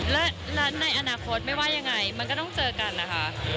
และในอนาคตไม่ว่ายังไงมันก็ต้องเจอกันนะคะ